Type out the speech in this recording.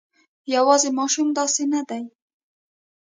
یواځې ماشومان داسې نه دي.